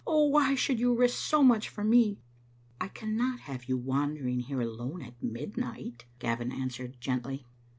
Oh, why should you risk so much for me?" "I cannot have you wandering here alone at mid night," Gavin answered, gently.